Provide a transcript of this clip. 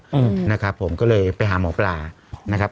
อืมนะครับผมก็เลยไปหาหมอปลานะครับ